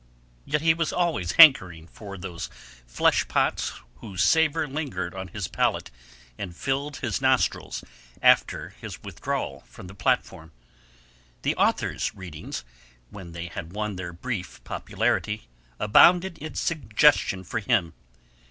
Yet he was always hankering for those fleshpots whose savor lingered on his palate and filled his nostrils after his withdrawal from the platform. The Authors' Readings when they had won their brief popularity abounded in suggestion for him.